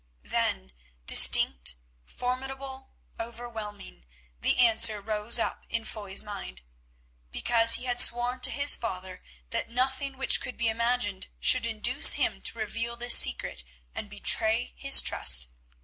Then distinct, formidable, overwhelming, the answer rose up in Foy's mind. Because he had sworn to his father that nothing which could be imagined should induce him to reveal this secret and betray this trust.